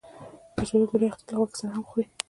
کچالو د لوی اختر له غوښې سره هم خوري